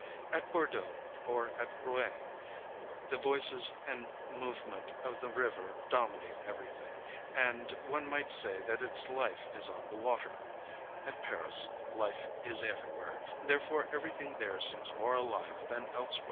At Bordeaux or at Rouen, the voices and movement of the river dominate everything, and one might say that its life is on the water : at Paris, life is everywhere ; therefore everything there seems more alive than elsewhere.